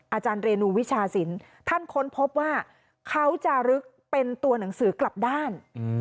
อาจารย์เรนูวิชาศิลป์ท่านค้นพบว่าเขาจะลึกเป็นตัวหนังสือกลับด้าน